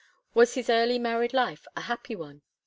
Was his early married life a happy one